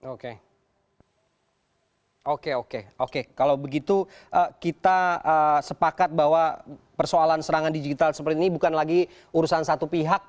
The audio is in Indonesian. oke oke oke kalau begitu kita sepakat bahwa persoalan serangan digital seperti ini bukan lagi urusan satu pihak